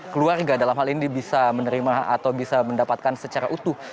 keluarga dalam hal ini bisa menerima atau bisa mendapatkan secara utuh